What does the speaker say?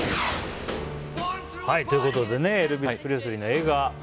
ということでエルヴィス・プレスリーの映画。